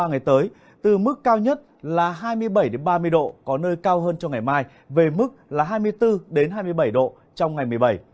trong ba ngày tới từ mức cao nhất là hai mươi bảy đến ba mươi độ có nơi cao hơn trong ngày mai về mức là hai mươi bốn đến hai mươi bảy độ trong ngày một mươi bảy